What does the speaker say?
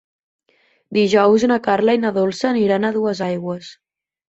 Dijous na Carla i na Dolça aniran a Duesaigües.